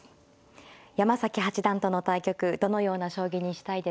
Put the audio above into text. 山崎八段との対局どのような将棋にしたいですか。